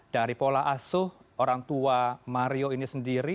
dari pola asuh orang tua mario ini sendiri